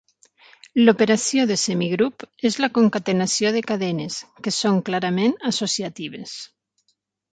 L"operació de semigrup és la concatenació de cadenes, que són clarament associatives.